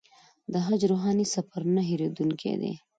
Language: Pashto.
د حج روحاني سفر نه هېرېدونکی دی.